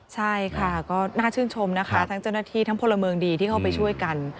ใช่ค่ะก็น่าชื่นชมนะคะทั้งเจ้าหน้าที่ทั้งพลเมืองดีที่เข้าไปช่วยกัน